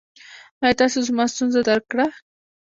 ایا تاسو زما ستونزه درک کړه؟